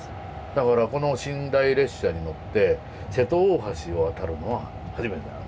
だからこの寝台列車に乗って瀬戸大橋を渡るのは初めてなのね。